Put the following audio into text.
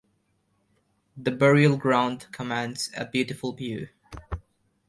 That burial-ground commands a beautiful view.